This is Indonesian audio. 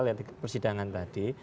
lihat persidangan tadi